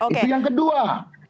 itu yang kedua